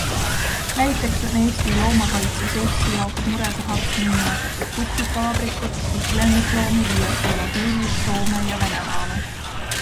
Näiteks on Eesti Loomakaitse Seltsi jaoks murekohaks nn kutsikavabrikud, kust lemmikloomi viiakse üle piiri Soome ja Venemaale.